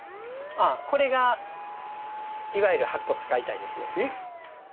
これがいわゆる白骨化遺体ですね。